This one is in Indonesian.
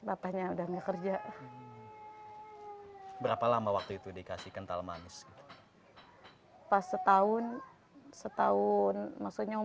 bapaknya udah ngekerja berapa lama waktu itu dikasih kental manis gitu pas setahun setahun maksudnya